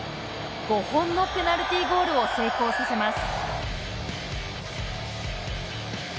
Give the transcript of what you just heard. ５本のペナルティーゴールを成功させます